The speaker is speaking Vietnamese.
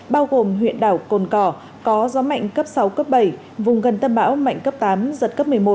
bao gồm huyện đảo cồn cỏ có gió mạnh cấp sáu cấp bảy vùng gần tâm bão mạnh cấp tám giật cấp một mươi một